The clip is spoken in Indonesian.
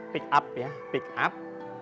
pick up ya pick up